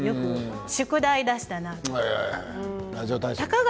宿題を出したなとか。